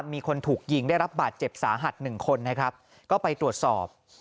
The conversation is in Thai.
มีคนถูกยิงได้รับบาดเจ็บสาหัสหนึ่งคนนะครับก็ไปตรวจสอบ